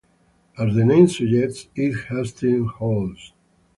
As the name suggests, it has ten halls.